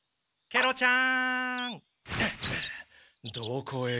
ケロちゃん！